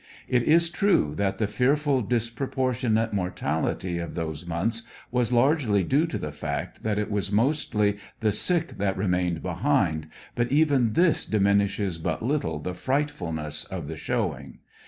It is true that the fearful disproportionate mortality of those months was largely due to the fact that it was mostly the sick that remained behind, but even this diminishes but little the frightf ulness of the showing.